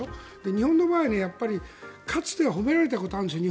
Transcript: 日本の場合、かつては褒められたことがあるんですよ。